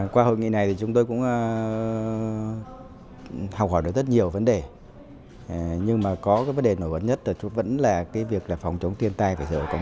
qua hội nghị này thì chúng tôi cũng học hỏi được rất nhiều vấn đề nhưng mà có vấn đề nổi bật nhất là phòng chống thiên tai